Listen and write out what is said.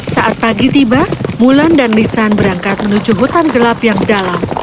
saat pagi tiba mulan dan lisan berangkat menuju hutan gelap yang dalam